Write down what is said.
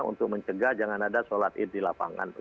untuk mencegah jangan ada sholat id di lapangan